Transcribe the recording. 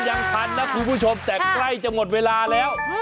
ยังทันนะคุณผู้ชมแต่ใกล้จะหมดเวลาแล้ว